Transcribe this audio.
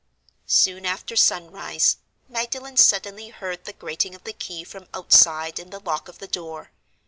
Soon after sunrise, Magdalen suddenly heard the grating of the key from outside in the lock of the door.